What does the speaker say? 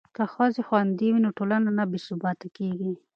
که ښځې خوندي وي نو ټولنه نه بې ثباته کیږي.